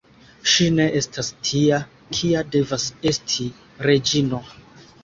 Ŝi ne estas tia, kia devas esti reĝino.